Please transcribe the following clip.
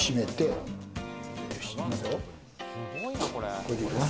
これでいいかな？